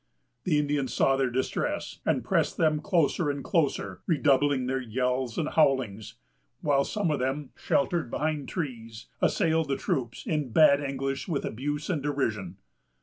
The Indians saw their distress, and pressed them closer and closer, redoubling their yells and howlings; while some of them, sheltered behind trees, assailed the troops, in bad English, with abuse and derision.